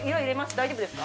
大丈夫ですか？